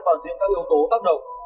toàn diện các yếu tố tác động